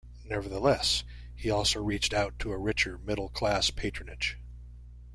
Nevertheless, he also reached out to a richer, middle-class patronage.